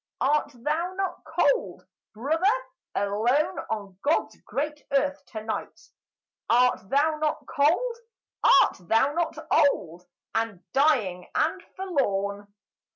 Art thou not cold ? Brother, alone on God's great earth to night ; Art thou not cold ? 54 AGE Art thou not old And dying and forlorn